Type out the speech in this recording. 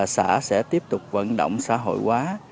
xã sẽ tiếp tục vận động xã hội quá